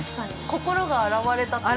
◆心が洗われた。